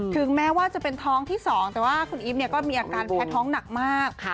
ถึงแม้ว่าจะเป็นท้องที่๒แต่ว่าคุณอีฟก็มีอาการแพ้ท้องหนักมาก